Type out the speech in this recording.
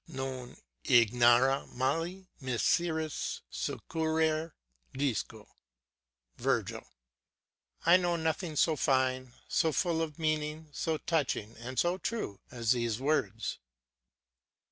"Non ignara mali, miseris succurrere disco." Virgil. I know nothing go fine, so full of meaning, so touching, so true as these words.